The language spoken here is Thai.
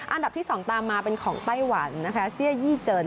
อันดับที่๒ตามมาเป็นของไต้หวันนะคะเสื้อยี่เจิน